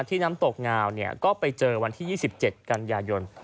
ที่น้ำตกงาวเนี่ยก็ไปเจอวันที่๒๗กันยายน